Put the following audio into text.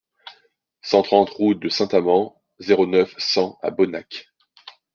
cent trente route de Saint-Amans, zéro neuf, cent à Bonnac